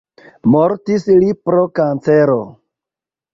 Mortis li pro kancero.